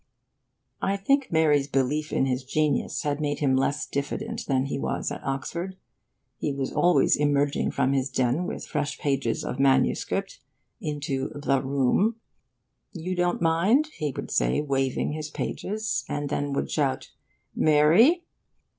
I think Mary's belief in his genius had made him less diffident than he was at Oxford. He was always emerging from his den, with fresh pages of MS., into the Room. 'You don't mind?' he would say, waving his pages, and then would shout 'Mary!